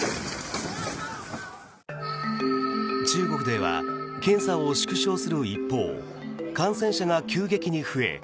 中国では検査を縮小する一方感染者が急激に増え